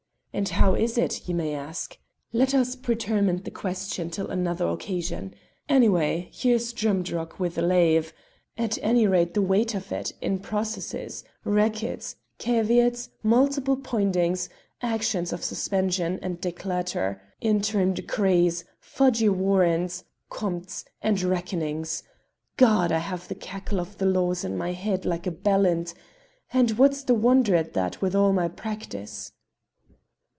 And how is it, ye may ask? Let us pretermit the question till another occasion; anyway here's Drimdarroch wi' the lave, at any rate the weight of it in processes, records, caveats, multiple poindings, actions of suspension and declator, interim decrees, fugie warrants, compts, and reckonings God! I have the cackle of the law in my head like a ballant, and what's the wonder at that wi' all my practice?"